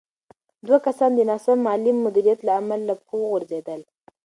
دوه کسان د ناسم مالي مدیریت له امله له پښو وغورځېدل.